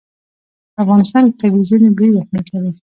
په افغانستان کې طبیعي زیرمې ډېر اهمیت لري.